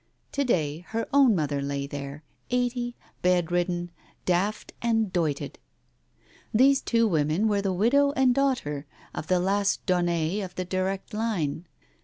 To day her own mother lay there, eighty, bedridden, daft and doited. These two women were the widow and daughter of the last Daunet of the direct line.